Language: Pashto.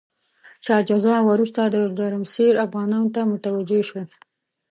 شاه شجاع وروسته د ګرمسیر افغانانو ته متوجه شو.